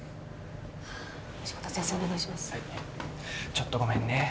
ちょっとごめんね。